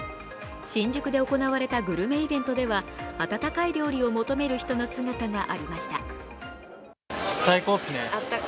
新宿で行われたグルメイベントでは温かい料理を求める人の姿がありました。